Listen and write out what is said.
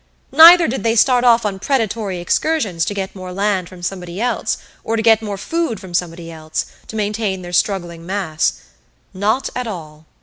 Neither did they start off on predatory excursions to get more land from somebody else, or to get more food from somebody else, to maintain their struggling mass. Not at all.